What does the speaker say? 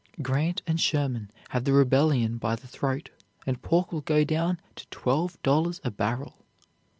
Grant and Sherman have the rebellion by the throat, and pork will go down to twelve dollars a barrel."